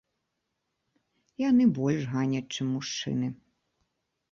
Яны больш ганяць, чым мужчыны.